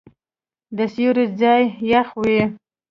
د سیوري ځای یخ وي.